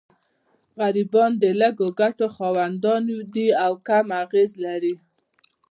غریبان د لږو ګټو خاوندان دي او کم اغېز لري.